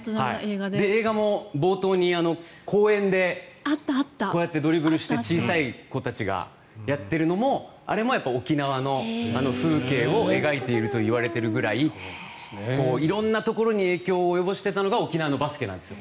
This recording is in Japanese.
映画も冒頭に公園でこうやってドリブルして小さい子たちがやっているのもあれも沖縄のあの風景を描いているといわれているくらい色んなところに影響を及ぼしていたのが沖縄のバスケなんですよ。